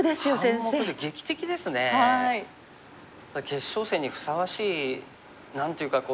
決勝戦にふさわしい何ていうか。